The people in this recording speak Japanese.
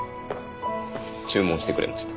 注文してくれました。